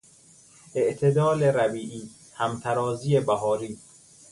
اعتدال ربیعی، همترازی بهاری